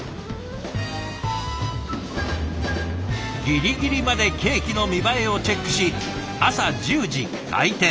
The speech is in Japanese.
ギリギリまでケーキの見栄えをチェックし朝１０時開店。